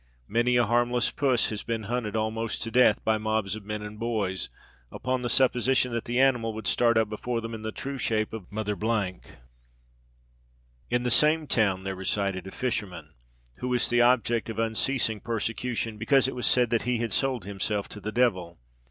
Many a harmless puss has been hunted almost to the death by mobs of men and boys, upon the supposition that the animal would start up before them in the true shape of Mother . In the same town there resided a fisherman, who was the object of unceasing persecution, because it was said that he had sold himself to the devil.